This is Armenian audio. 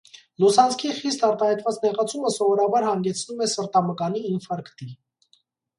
Լուսանցքի խիստ արտահայտված նեղացումը սովորաբար հանգեցնում է սրտամկանի ինֆարկտի։